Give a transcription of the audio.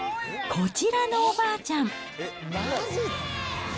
こちらのおばあちゃん。